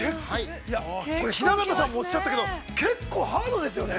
雛形さんもおっしゃったけど、結構ハードですよね。